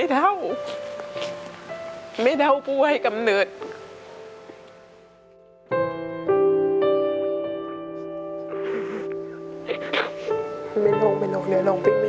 เหนือลงผิดไม่ได้